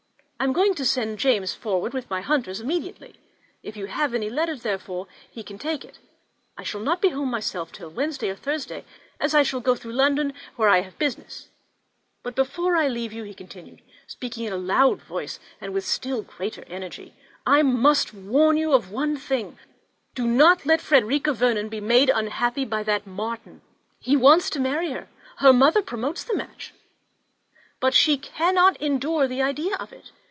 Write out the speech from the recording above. I am going to send James forward with my hunters immediately; if you have any letter, therefore, he can take it. I shall not be at home myself till Wednesday or Thursday, as I shall go through London, where I have business; but before I leave you," he continued, speaking in a lower tone, and with still greater energy, "I must warn you of one thing—do not let Frederica Vernon be made unhappy by that Martin. He wants to marry her; her mother promotes the match, but she cannot endure the idea of it.